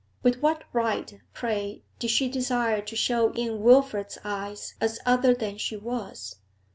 With what right, pray, did she desire to show in Wilfrid's eyes as other than she was?